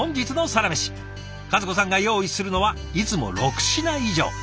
和子さんが用意するのはいつも６品以上。